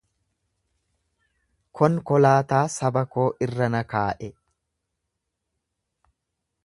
Konkolaataa saba koo irra na kaa'e.